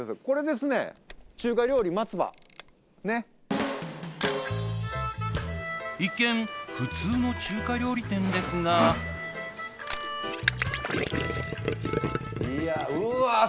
これですね中華料理松葉ねっ一見普通の中華料理店ですがいやうわ